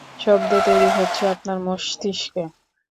শব্দ তৈরি হচ্ছে আপনার মস্তিষ্কে।